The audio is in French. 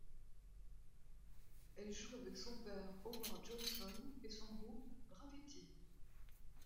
Elle joue avec son père Howard Johnson et son groupe, Gravity.